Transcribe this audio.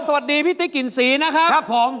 สวัสดีพี่ติกิ่นสีนะครับครับผม